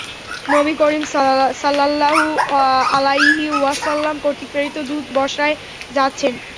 নবী করীম সাল্লাল্লাহু আলাইহি ওয়াসাল্লাম কর্তৃক প্রেরিত দূত বসরায় যাচ্ছেন।